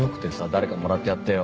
誰かもらってやってよ。